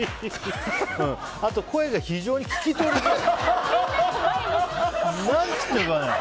あと声が非常に聞き取りづらい。